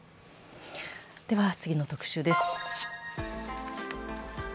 では、次の特集です。